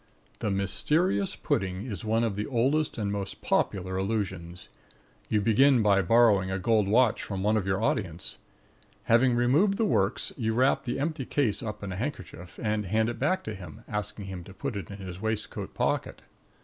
THE MYSTERIOUS PUDDING is one of the oldest and most popular illusions. You begin by borrowing a gold watch from one of your audience. Having removed the works, you wrap the empty case up in a handkerchief and hand it back to him, asking him to put it in his waistcoat pocket.